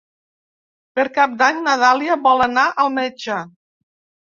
Per Cap d'Any na Dàlia vol anar al metge.